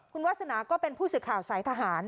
คุณวาสนาก็เป็นผู้สื่อข่าวสายทหาร